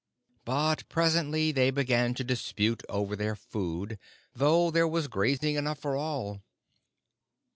But presently they began to dispute over their food, though there was grazing enough for all.